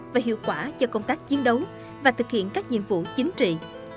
và hiệu quả cho công tác chiến đấu và thực hiện các nhiệm vụ chính trị